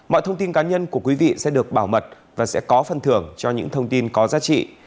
mọi thông tin cá nhân của quý vị sẽ được bảo mật và sẽ có phần thưởng cho những thông tin có giá trị